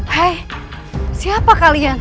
hai siapa kalian